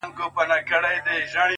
• زه چي د شپې خوب كي ږغېږمه دا.